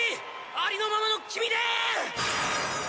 ありのままの君で！